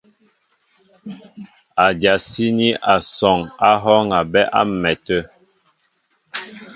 Ádyasíní asɔŋ á hɔ́ɔ́ŋ a bɛ́ á m̀mɛtə̂.